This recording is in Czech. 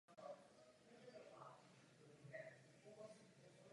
Nemají již žádnou kontrolu nad svou vlastní zahraniční politikou.